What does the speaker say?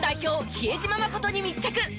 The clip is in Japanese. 比江島慎に密着！